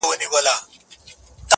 ژوندی انسان و حرکت ته حرکت کوي.